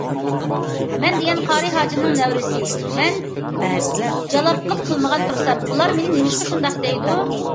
مەن دېگەن قارى ھاجىمنىڭ نەۋرىسى، مەن جالاپلىق قىلمىغان تۇرسام ئۇلار مېنى نېمىشقا شۇنداق دەيدۇ.